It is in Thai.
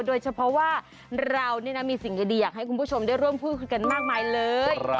โดยเฉพาะว่าเรามีสิ่งดีอยากให้คุณผู้ชมได้ร่วมพูดคุยกันมากมายเลย